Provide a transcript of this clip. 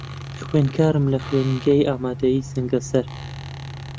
خوێندکارم لە خوێندنگەی ئامادەیی سەنگەسەر.